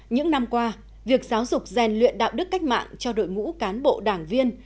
những năm qua việc giáo dục rèn luyện đạo đức cách mạng cho đội ngũ cán bộ đảng viên